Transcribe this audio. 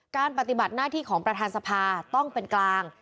ปฏิบัติหน้าที่ของประธานสภาต้องเป็นกลาง